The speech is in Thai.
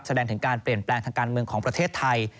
แสดงถึงการเปลี่ยนแปลงทางการเมืองของประเทศไทย